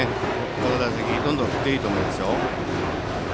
この打席はどんどん振っていいと思いますよ。